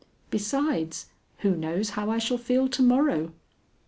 Besides, who knows how I shall feel to morrow?